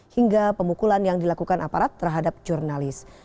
hingga pemukulan yang dilakukan aparat terhadap jurnalis